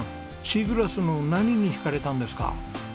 シーグラスの何に引かれたんですか？